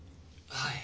はい。